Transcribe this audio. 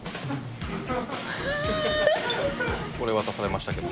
これ渡されましたけど。